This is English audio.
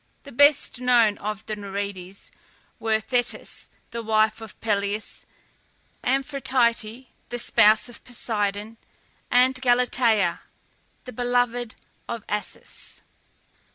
The best known of the Nereides were Thetis, the wife of Peleus, Amphitrite, the spouse of Poseidon, and Galatea, the beloved of Acis.